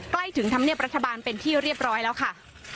ใกล้ถึงธรรมเนียบรัฐบาลเป็นที่เรียบร้อยแล้วค่ะ